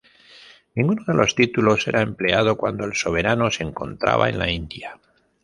Ninguno de los títulos era empleado cuando el soberano se encontraba en la India.